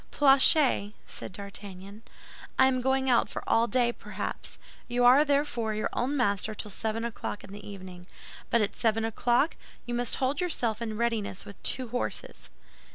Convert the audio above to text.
"Planchet," said D'Artagnan, "I am going out for all day, perhaps. You are, therefore, your own master till seven o'clock in the evening; but at seven o'clock you must hold yourself in readiness with two horses."